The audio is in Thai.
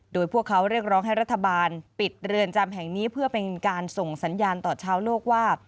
โดยพวกเขาเรียกร้องให้รัฐบาลปิดเรือนจำแห่งนี้เพื่อเป็นการส่งสัญญาณต่อชาวโลกว่า